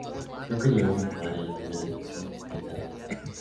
Nunca llegaron a jugar en la Primera División de El Salvador.